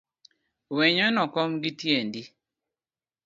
Wenyono kom gitiendi